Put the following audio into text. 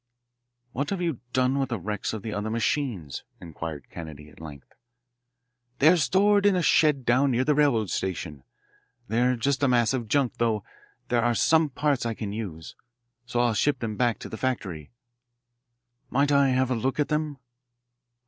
"What have you done with the wrecks of the other machines?" inquired Kennedy at length. "They are stored in a shed down near the railroad station. They are just a mass of junk, though there are some parts that I can use, so I'll ship them back to the factory." "Might I have a look at them?"